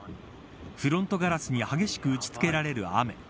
フロントガラスに激しく打ち付けられる雨。